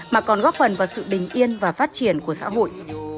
mà còn góp phần vào sự bình yên và phát triển của xã hội